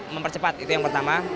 mempercepat itu yang pertama